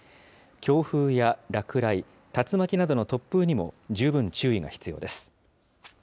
強風や落雷、竜巻などの突風にも十分注意が必要です。